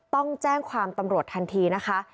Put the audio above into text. ต้องแจ้งความตำรวจทันทีนะคะ